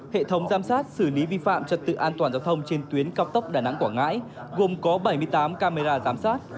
hệ thống giám sát xử lý vi phạm trật tự an toàn giao thông trên tuyến cao tốc đà nẵng quảng ngãi gồm có bảy mươi tám camera giám sát